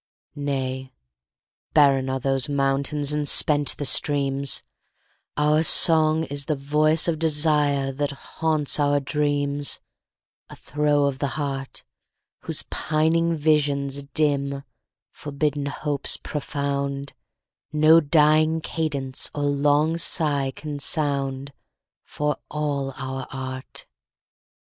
Nay, barren are those mountains and spent the streams: Our song is the voice of desire, that haunts our dreams, A throe of the heart, Whose pining visions dim, forbidden hopes profound, 10 No dying cadence nor long sigh can sound, For all our art.